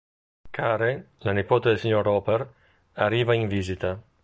Karen, la nipote del signor Roper, arriva in visita.